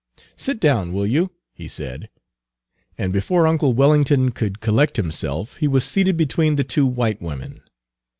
"Sit down, will you," he said; and before uncle Wellington could collect himself, he was seated between the two white women.